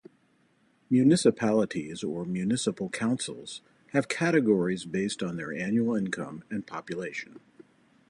Municipalities or Municipal Councils have categories based on their annual income and population.